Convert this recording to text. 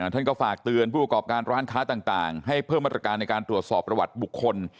ท่านก็ฝากเตือนผู้ประกอบการร้านค้าต่างให้เพิ่มมาตรการในการตรวจสอบประวัติบุคคล